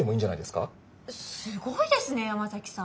すごいですね山崎さん。